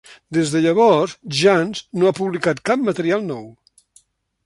Des de llavors, Janz no ha publicat cap material nou.